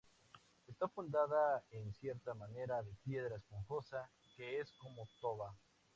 Está fundada en cierta manera de piedra esponjosa, que es como toba.